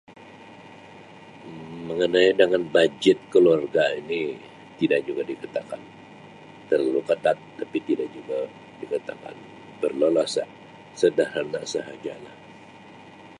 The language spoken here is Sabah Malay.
Mengenai dengan bajet keluarga ini tidak juga dikatakan terlalu ketat tapi tidak juga dikatakan berleluasa sederhana sahaja lah.